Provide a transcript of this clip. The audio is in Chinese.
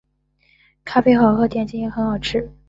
咖啡好喝，点心也很好吃